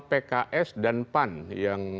pks dan pan yang